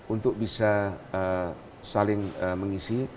untuk bisa saling mengisi